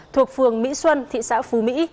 thuộc phường mỹ xuân thị xã phú mỹ